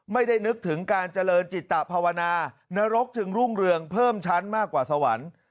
นึกถึงการเจริญจิตภาวนานรกจึงรุ่งเรืองเพิ่มชั้นมากกว่าสวรรค์